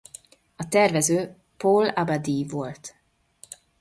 A tervező Paul Abadie volt.